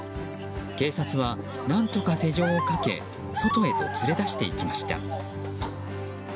警察は何とか手錠をかけ外へと連れ出していきました。